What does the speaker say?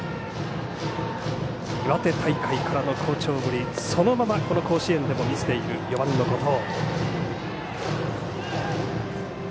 岩手大会からの好調ぶりをそのままこの甲子園でも見せている４番の後藤。